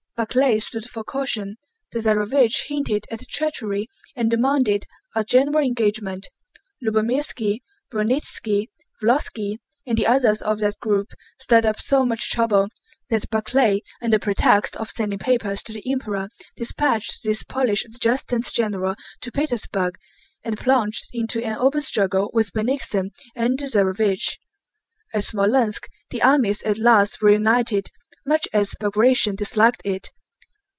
Barclay stood for caution. The Tsarévich hinted at treachery and demanded a general engagement. Lubomírski, Bronnítski, Wlocki, and the others of that group stirred up so much trouble that Barclay, under pretext of sending papers to the Emperor, dispatched these Polish adjutants general to Petersburg and plunged into an open struggle with Bennigsen and the Tsarévich. At Smolénsk the armies at last reunited, much as Bagratión disliked it.